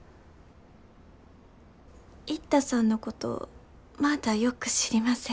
一太さんのことまだよく知りません。